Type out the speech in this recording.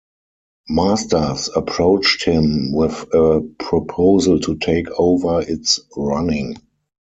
Masters approached him with a proposal to take over its running.